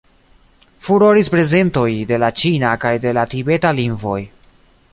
Furoris prezentoj de la ĉina kaj de la tibeta lingvoj.